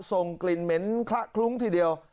ส่งกลิ่นเหม็นคละคลุ้งทีเดียว